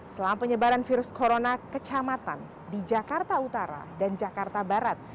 selama penyebaran virus corona kecamatan di jakarta utara dan jakarta barat